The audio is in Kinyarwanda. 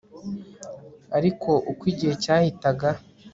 ariko uko igihe cyahitaga